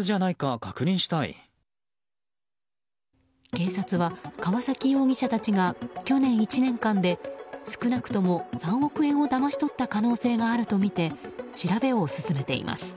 警察は川崎容疑者たちが去年１年間で少なくとも３億円をだまし取った可能性があるとみて調べを進めています。